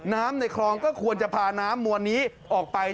ในคลองก็ควรจะพาน้ำมวลนี้ออกไป